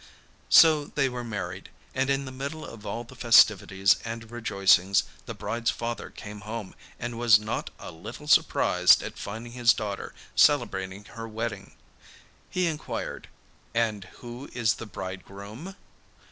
So they were married, and in the middle of all the festivities and rejoicings the bride's father came home and was not a little surprised at finding his daughter celebrating her wedding. He enquired: 'And who is the bridegroom?